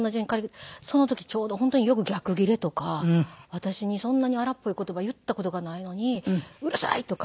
その時ちょうど本当によく逆ギレとか私にそんなに荒っぽい言葉言った事がないのに「うるさい！」とか。